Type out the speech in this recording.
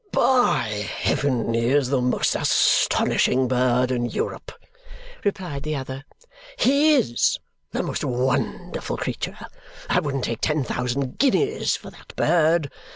"By heaven, he is the most astonishing bird in Europe!" replied the other. "He IS the most wonderful creature! I wouldn't take ten thousand guineas for that bird.